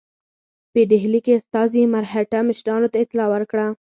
په ډهلي کې استازي مرهټه مشرانو ته اطلاع ورکړه.